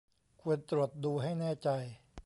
ควรตรวจดูให้แน่ใจ